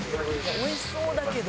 美味しそうだけど。